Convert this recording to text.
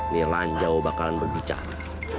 miran jauh bakalan berbicara